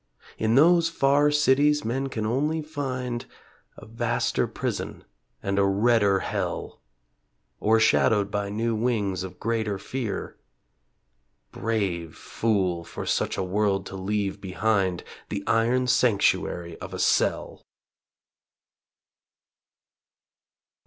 In those far cities men can only find A vaster prison and a redder hell, O'ershadowed by new wings of greater fear. Brave fool, for such a world to leave behind The iron sanctuary of a cell!